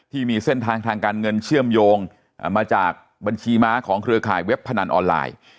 ที่มีเส้นทางทางการเงินเชื่อมโยงมาจากบัญชีม้าของเครือข่ายเว็บพนันออนไลน์